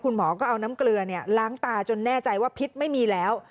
หมอก็เอาน้ำเกลือล้างตาจนแน่ใจว่าพิษไม่มีแล้ว